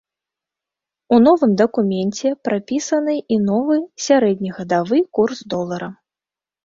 У новым дакуменце прапісаны і новы сярэднегадавы курс долара.